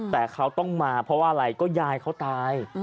แต่เขาต้องมาเพราะว่าอะไรก็ยายเขาตาย